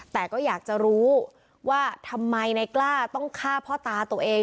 แต่ก็อยากจะรู้ว่าทำไมในกล้าต้องฆ่าพ่อตาตัวเอง